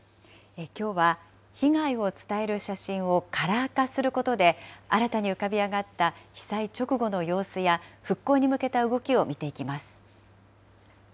きょうは、被害を伝える写真をカラー化することで、新たに浮かび上がった被災直後の様子や、復興に向けた動きを見ていきます。